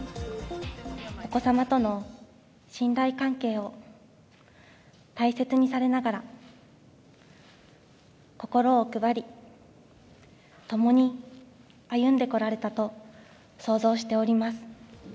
お子様との信頼関係を大切にされながら心を配りともに歩んでこられたと想像しております。